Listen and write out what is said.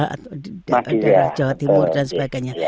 atau di daerah jawa timur dan sebagainya